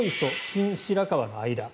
新白河の間。